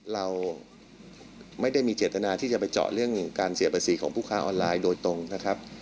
เราไม่ได้มีเจตนาที่จะไปเจาะเรื่องการเสียภาษีของผู้ค้าออนไลน์โดยตรงนะครับ